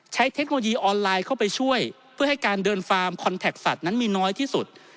เทคโนโลยีออนไลน์เข้าไปช่วยเพื่อให้การเดินฟาร์มคอนแท็กสัตว์นั้นมีน้อยที่สุด